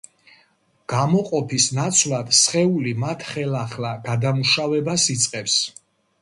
გამოყოფის ნაცვლად, სხეული მათ ხელახლა გადამუშავებას იწყებს.